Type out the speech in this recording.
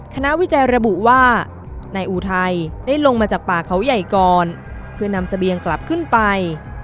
วิจัยระบุว่านายอุทัยได้ลงมาจากป่าเขาใหญ่ก่อนเพื่อนำเสบียงกลับขึ้นไป